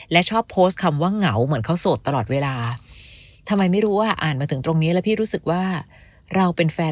และชอบโพสต์คำว่าเหงาเหมือนเขาโสดตลอดเวลา